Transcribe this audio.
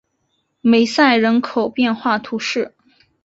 梅塞人口变化图示